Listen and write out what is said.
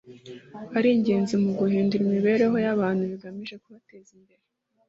ari ingenzi mu guhindura imibereho y’abantu bigamije kubateza imbere